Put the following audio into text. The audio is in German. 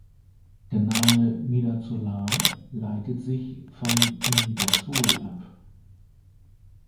Der Name Midazolam leitet sich von Imidazol ab.